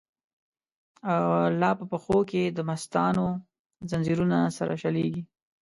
لا په پښو کی دمستانو، ځنځیرونه سره شلیږی